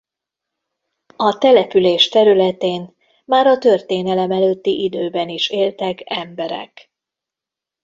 A település területén már a történelem előtti időben is éltek emberek.